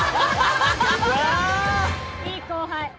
いい後輩。